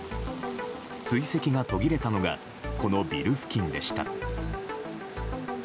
追跡が途切れたのがこのビル付近でした。